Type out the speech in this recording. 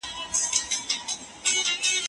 د جګړې قربانیانو سره څه مرسته کیږي؟